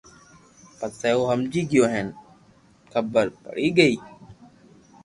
پسي او ھمجي گيو ھين خبر پڙي گئي